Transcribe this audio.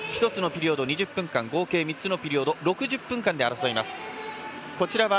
１つのピリオドに２０分間合計３つのピリオド６０分間で争います。